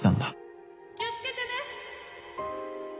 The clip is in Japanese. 気をつけてね！